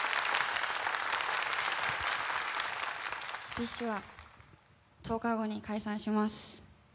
ＢｉＳＨは１０日後に解散します。